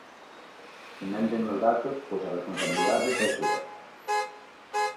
Se menten nos datos, pois a responsabilidade é súa.